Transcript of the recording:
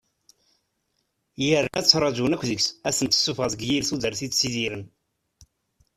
Yerna ttrajun akk deg-s ad ten-tessuffeɣ deg yir tudert i ttidiren.